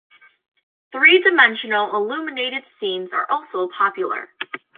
Three-dimensional illuminated scenes are also popular.